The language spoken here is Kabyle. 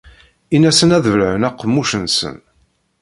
In-asen ad bellɛen aqemmuc-nsen.